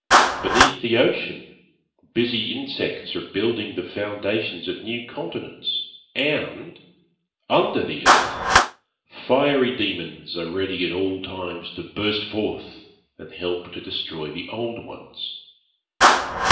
Beneath the ocean busy insects are building the foundations of new continents and, under the earth, Fiery Demons are ready at all times to burst forth and help to destroy the old ones.